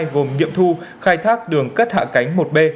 gồm nghiệm thu khai thác đường cất hạ cánh một b